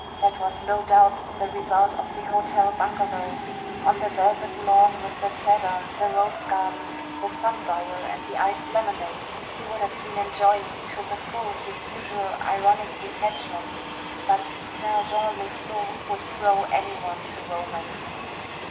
That was no doubt the result of the Hotel Bungalow. On the velvet lawn with the cedar, the rose garden, the sun dial and the iced lemonade, he would have been enjoying to the full his usual ironic detachment, but St. Jean les Flots would throw any one to romance.